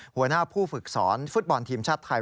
หัวหน้าผู้ฝึกสอนฟุตบอลทีมชาติไทย